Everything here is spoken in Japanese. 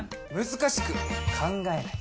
難しく考えない。